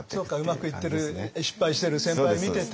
うまくいってる失敗してる先輩を見てて。